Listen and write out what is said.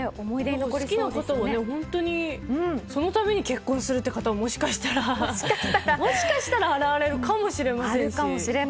好きな方は本当にそのために結婚する方ももしかしたら、もしかしたら現れるかもしれませんし。